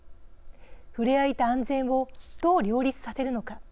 ふれあいと安全をどう両立させるのか。